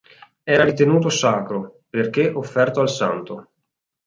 Era ritenuto sacro, perché offerto al Santo.